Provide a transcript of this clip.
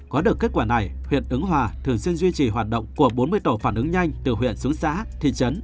có được kết quả này huyện ứng hòa thường xuyên duy trì hoạt động của bốn mươi tổ phản ứng nhanh từ huyện xuống xã thị trấn